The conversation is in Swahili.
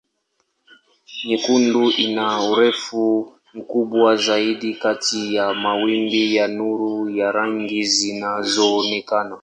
Nyekundu ina urefu mkubwa zaidi kati ya mawimbi ya nuru ya rangi zinazoonekana.